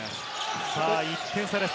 １点差です。